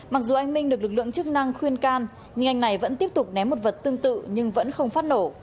mặc dù anh minh được lực lượng chức năng khuyên can nhưng anh này vẫn tiếp tục ném một vật tương tự nhưng vẫn không phát nổ